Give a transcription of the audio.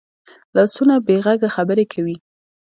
لاسونه بې غږه خبرې کوي